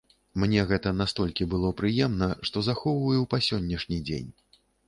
Мне гэта настолькі было прыемна, што захоўваю па сённяшні дзень.